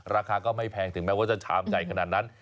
ราคาก็ไม่แพงถึงแม้ว่าจะชามใหญ่ขนาดนั้น